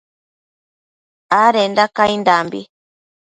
adenda caindambi